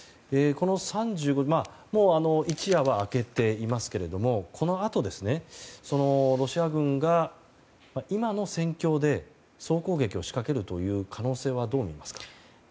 この３５時間もう一夜は明けていますけれどもこのあと、ロシア軍が今の戦況で総攻撃を仕掛けるという可能性はどうですか。